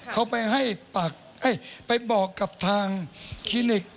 เขาไปบอกกับทางคลินิก